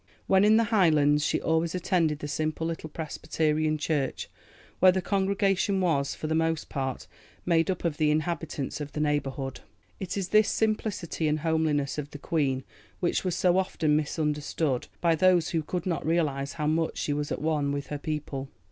When in the Highlands she always attended the simple little Presbyterian church, where the congregation was, for the most part, made up of the inhabitants of the neighbourhood. It is this simplicity and 'homeliness' of the Queen which were so often misunderstood by those who could not realize how much she was at one with her people.